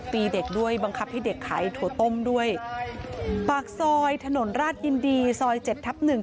ตีเด็กด้วยบังคับให้เด็กขายถั่วต้มด้วยปากซอยถนนราชยินดีซอยเจ็ดทับหนึ่ง